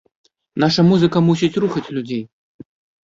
Наша музыка мусіць рухаць людзей.